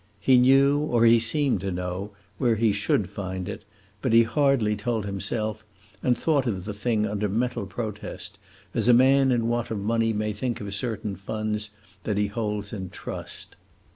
He knew or he seemed to know where he should find it; but he hardly told himself, and thought of the thing under mental protest, as a man in want of money may think of certain funds that he holds in trust.